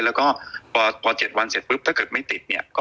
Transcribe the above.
แล้วก็พอ๗วันเสร็จปุ๊บถ้าเกิดไม่ติดเนี่ย